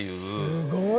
すごい。